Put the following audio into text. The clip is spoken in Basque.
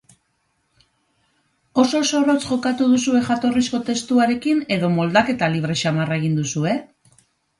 Oso zorrotz jokatu duzue jatorrizko testuarekin edo moldaketa libre samarra egin duzue?